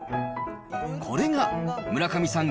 これが村上さん